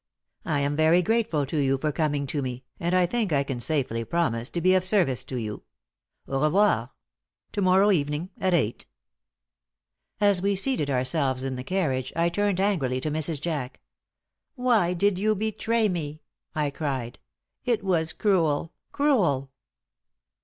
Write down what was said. I am very grateful to you for coming to me, and I think I can safely promise to be of service to you. Au revoir. To morrow evening at eight." As we seated ourselves in the carriage, I turned angrily to Mrs. Jack. "Why did you betray me?" I cried. "It was cruel, cruel!"